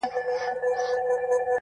ته راته وعده خپل د کرم راکه.